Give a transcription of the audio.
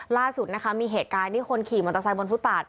ล่าสุดนะคะมีเหตุการณ์ที่คนขี่มอเตอร์ไซค์บนฟุตปาด